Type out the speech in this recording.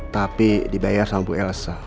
tapi dibayar sama bu elsa